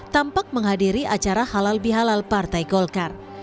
tampak menghadiri acara halal bihalal partai golkar